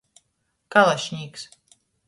Kalašnīks.